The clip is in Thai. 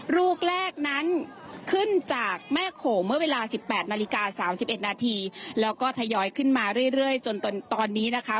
ลูกแรกนั้นขึ้นจากแม่โขมเมื่อเวลาสิบแปดนาฬิกาสามสิบเอ็ดนาทีแล้วก็ทยอยขึ้นมาเรื่อยเรื่อยจนตอนตอนนี้นะคะ